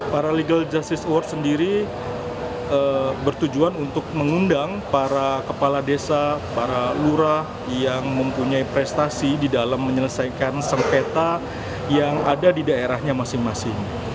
para legal justice award sendiri bertujuan untuk mengundang para kepala desa para lurah yang mempunyai prestasi di dalam menyelesaikan sengketa yang ada di daerahnya masing masing